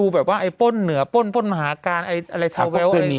แบบว่าไอ้ป้นเหนือป้นป้นหาการไอ้อะไรเขาเรียกว่าไอ้